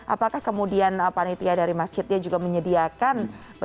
apakah kemudian panitia dari masjidnya juga menyediakan